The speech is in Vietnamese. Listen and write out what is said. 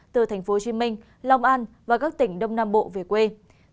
từ tp hcm long an và các tỉnh thành khu vực đồng bằng sơ cửu long